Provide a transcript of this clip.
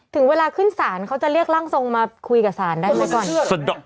ถึงเวลาขึ้นศาลเขาจะเรียกร่างทรงมาคุยกับศาลได้ไหมก่อน